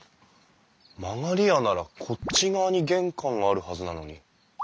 曲り家ならこっち側に玄関があるはずなのに。